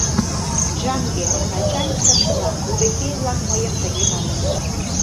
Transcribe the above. «Чжанге» — начальник, старшина; удэхей-влак мыйым тыге маныныт.